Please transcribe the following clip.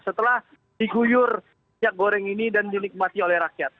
setelah diguyur minyak goreng ini dan dinikmati oleh rakyat